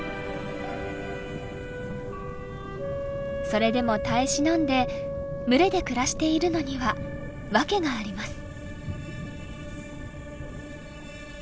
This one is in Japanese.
それでも耐え忍んで群れで暮らしているのには訳があります。